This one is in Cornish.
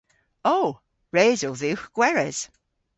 O! Res o dhywgh gweres.